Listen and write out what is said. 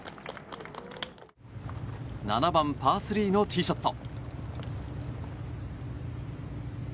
７番、パー３のティーショット。